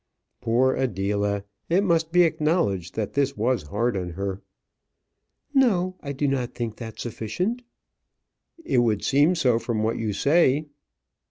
Poor Adela! It must be acknowledged that this was hard on her. "No, I do not think that sufficient." "It would seem so from what you say."